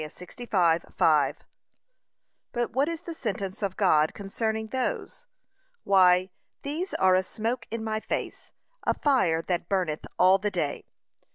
65:5) But what is the sentence of God concerning those? Why, these are a smoke in my nose, a fire that burneth all the day.